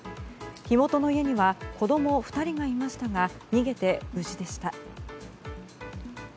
火元の家には子供２人がいましたが逃げて、無事でした。